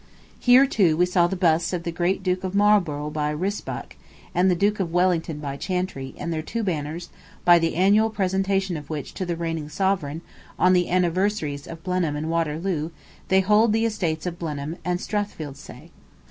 Here, too, we saw the busts of the great Duke of Marlborough by Rysbach, and the Duke of Wellington by Chantrey, and their two banners, by the annual presentation of which to the reigning sovereign, on the anniversaries of Blenheim and Waterloo, they hold the estates of Blenheim and Strathfieldsaye.